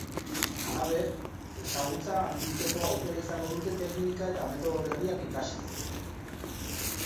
Halaber, ezagutza handitzeko aukera izango dute teknika eta metodo berriak ikasiz.